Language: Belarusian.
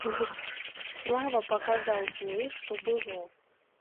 Слава паказаў тое, што было.